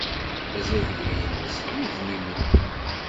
Azaglu-ines d idmimen.